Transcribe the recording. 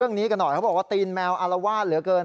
เรื่องนี้กันหน่อยเขาบอกว่าตีนแมวอารวาสเหลือเกิน